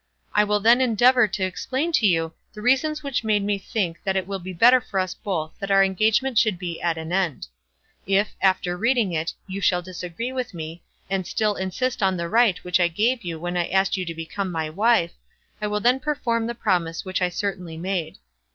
"I will then endeavour to explain to you the reasons which make me think that it will be better for us both that our engagement should be at an end. If, after reading it, you shall disagree with me, and still insist on the right which I gave you when I asked you to become my wife, I will then perform the promise which I certainly made."